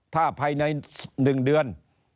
ถ้าภายในหนึ่งเดือน